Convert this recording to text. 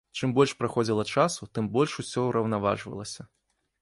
Чым больш праходзіла часу, тым больш усё ўраўнаважвалася.